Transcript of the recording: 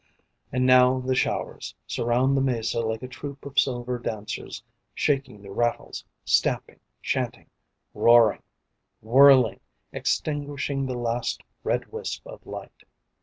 And now the showers Surround the mesa like a troop of silver dancers: Shaking their rattles, stamping, chanting, roaring, Whirling, extinguishing the last red wisp of light.